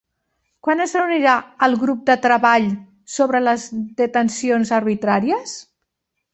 Quan es reunirà el Grup de Treball sobre les Detencions Arbitràries?